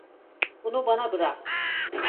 Bunu bana bırak.